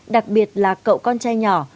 đặc biệt là cậu con trai nhỏ